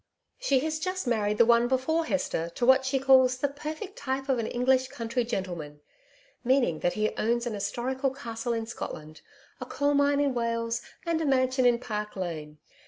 She has just married the one before Hester to what she calls the perfect type of an English country gentleman meaning that he owns an historical castle in Scotland, a coal mine in Wales and a mansion in Park Lane.